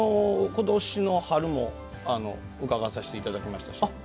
今年の春もうかがわさせていただきましたし。